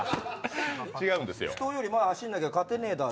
人より走らなきゃ、勝てねえだろ。